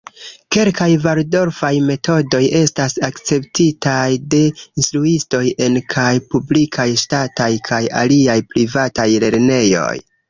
Kelkaj valdorfaj metodoj estas akceptitaj de instruistoj en kaj publikaj-ŝtataj kaj aliaj privataj lernejoj.